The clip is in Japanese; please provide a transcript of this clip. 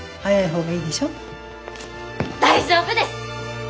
大丈夫です！